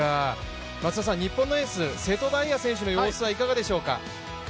日本のエース、瀬戸大也選手の様子はいかがでしょうか？